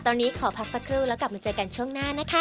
ตอนนี้ขอพักสักครู่แล้วกลับมาเจอกันช่วงหน้านะคะ